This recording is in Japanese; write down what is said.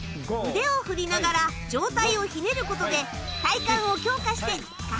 腕を振りながら上体をひねることで体幹を強化して。